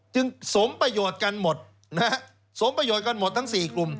สมประโยชน์กันหมดนะฮะสมประโยชน์กันหมดทั้ง๔กลุ่ม